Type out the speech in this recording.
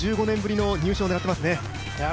５５年ぶりの入賞を狙っていますね。